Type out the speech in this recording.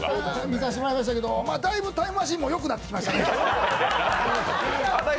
見させてもらいましたけど、だいぶタイムマシーンもよくなってきましたね。